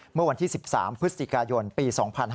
เมื่อวันที่๑๓พฤศจิกายนปี๒๕๕๙